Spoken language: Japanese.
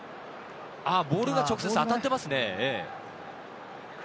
ボールが直接当たっていますね。